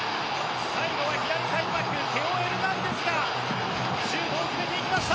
最後は左サイドバックテオ・エルナンデスがシュートを決めていきました。